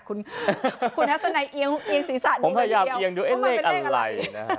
คุณทัศนัยเอียงศีรษะผมอย่างเดียวว่ามันเป็นเลขอะไร